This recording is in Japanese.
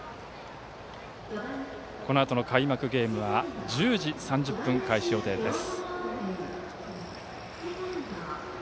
このあとの開幕ゲームは１０時３０分開始予定です。